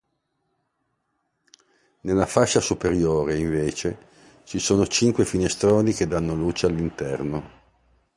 Nella fascia superiore, invece, ci sono cinque finestroni che danno luce all'interno.